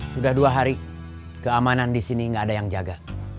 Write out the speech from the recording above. sudah dua hari keamanan di sini nggak ada yang jaga